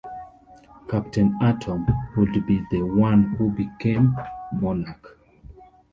Captain Atom would be the one who became Monarch.